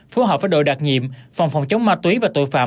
phù hợp với đội đặc nhiệm phòng phòng chống ma túy và tội phạm